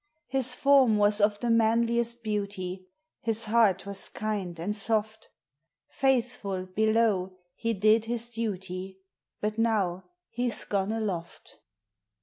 His form was of the manliest beauty, His heart was kind and soft ; Faithful, below, he did his duty; But now he 's gone aloft.